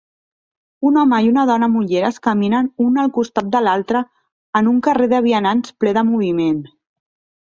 Un home i una dona amb ulleres caminen un al costat de l'altre en un carrer de vianants ple de moviment.